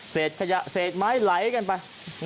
ขยะเศษไม้ไหลกันไป